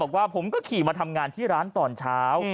บอกว่าผมก็ขี่มาทำงานที่ร้านตอนเช้า